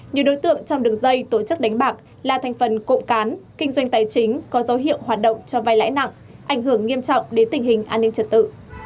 nhiều đối tượng trong đường dây tổ chức đánh bạc là thành phần cộng cán kinh doanh tài chính có dấu hiệu hoạt động cho vai lãi nặng ảnh hưởng nghiêm trọng đến tình hình an ninh trật tự